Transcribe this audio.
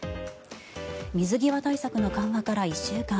水際対策の緩和から１週間。